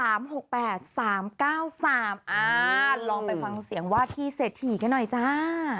อ่าลองไปฟังเสียงวาทีเสร็จถี่กันหน่อยจ้า